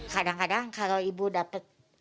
kadang kadang kalau ibu dapat